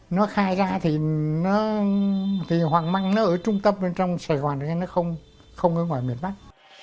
nó khai ra thì hoàng măng nó ở trung tâm trong sài gòn nó không ở ngoài miền bắc